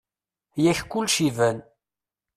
Yak kulec iban.